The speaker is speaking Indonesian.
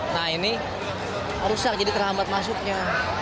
nah ini rusak jadi terhambat masuknya